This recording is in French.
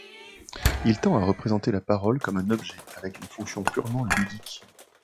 Il tend à représenter la parole comme un objet avec une fonction purement ludique.